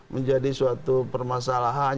menjadi suatu permasalahan